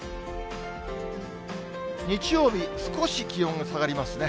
日曜日、少し気温が下がりますね。